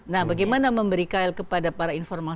nah bagaimana memberi kyle kepada para informal